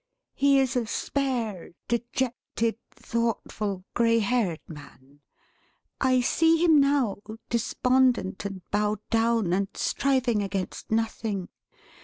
He is a spare, dejected, thoughtful, grey haired man. I see him now, despondent and bowed down, and striving against nothing.